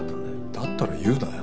だったら言うなよ。